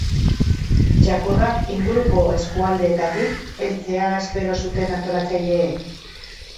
Txakurrak inguruko eskualdeetatik heltzea espero zuten antolatzaileek.